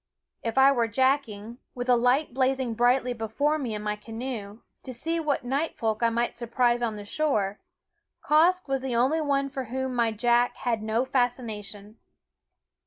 If I were jacking, with a light blazing brightly before me in my canoe, to see what night folk I might surprise on the shore, Quoskh was the only one for whom my jack had no fascination.